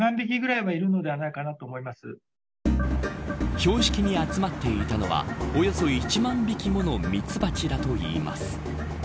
標識に集まっていたのはおよそ１万匹ものミツバチだといいます。